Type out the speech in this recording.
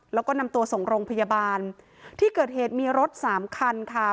แล้วก็นำตัวส่งโรงพยาบาลที่เกิดเหตุมีรถสามคันค่ะ